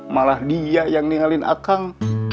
malah dia yang nialin akang